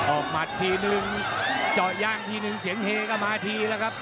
ออกมัดทีนึงจอยย่างทีนึงเสียงเฮ้ก็มาทีแล้วกับ